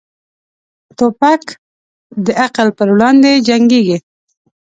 توپک د عقل پر وړاندې جنګيږي.